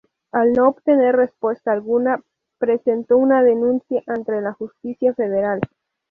Al no obtener respuesta alguna, presentó una denuncia ante la Justicia Federal.